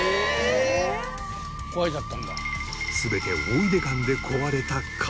全て大出館で壊れた家電。